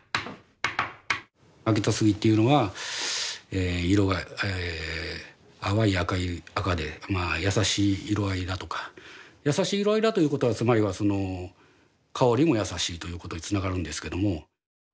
秋田杉というのは色が淡い赤で優しい色合いだとか優しい色合いだということはつまりは香りも優しいということにつながるんですけども。